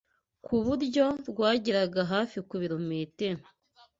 ku buryo rwageraga hafi ku birometero